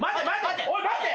おい待て！